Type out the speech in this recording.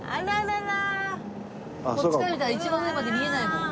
こっちから見たら一番上まで見えないもん。